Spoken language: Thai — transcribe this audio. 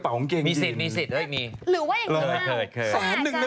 เพราะตัวนะ